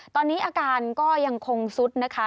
ตอนนี้อาการก็ยังคงซุดนะคะ